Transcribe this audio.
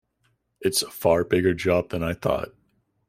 It's a far bigger job than I thought.